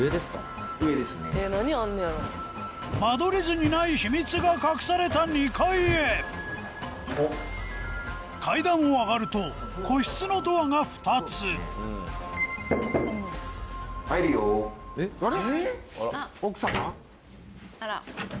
間取り図にない秘密が隠された２階へ階段をあがると個室のドアが２つあれ？